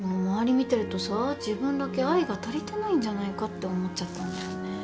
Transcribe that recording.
見てるとさ自分だけ愛が足りてないんじゃないかって思っちゃったんだよね。